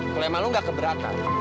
kulema lu gak keberatan